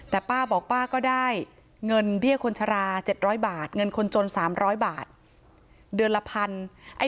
แต่ป้าบอกป้าก็ได้เงินเบี้ยคนชรา๗๐๐บาทเงินคนจน๓๐๐บาทเดือนละพัน